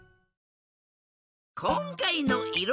こんかいのいろ